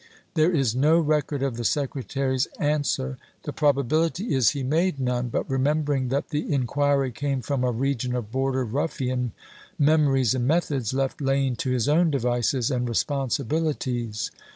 There is no Aug^'M862. record of the Secretary's answer ; the probability is he made none, but, remembering that the inquiry came from a region of Border Ruffian memories and methods, left Lane to his own devices and responsibilities.